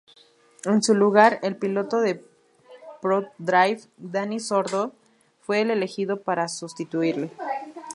En su lugar el piloto de Prodrive, Dani Sordo fue el elegido para sustituirle.